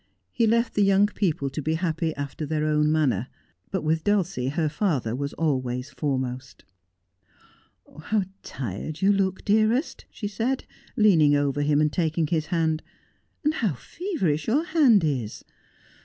He left the young people to be happy after their own manner. But with Dulcie her father was always foremost. ' How tired you look, dearest,' she said, leaning over him and taking his hand, ' and how feverish your hand is